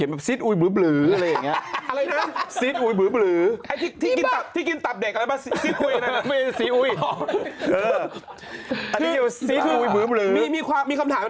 เอ็นจานไหล่ตัูกับเขาด้วยหรอ